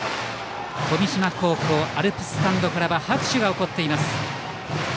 富島高校アルプススタンドからは拍手が起こっています。